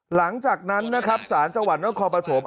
หลังจากนั้นนะครับศาลจังหวัดนครปฐม